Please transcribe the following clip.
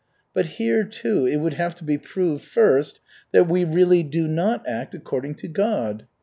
But here, too, it would have to be proved first that we really do not act according to God.